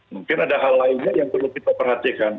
mungkin ada hal lainnya yang perlu kita perhatikan